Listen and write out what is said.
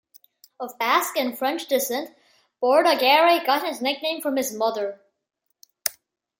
Of Basque and French descent, Bordagaray got his nickname from his mother.